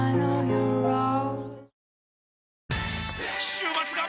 週末が！！